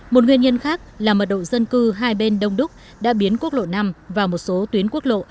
một nguyên nhân khác là mật độ dân cư hai bên đông đúc đã biến quốc lộ năm vào một số tuyến quốc lộ